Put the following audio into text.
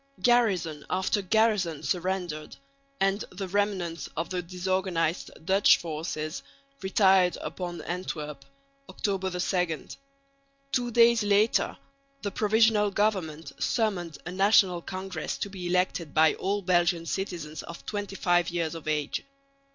Garrison after garrison surrendered; and the remnants of the disorganised Dutch forces retired upon Antwerp (October 2). Two days later the Provisional Government summoned a National Congress to be elected by all Belgian citizens of 25 years of age.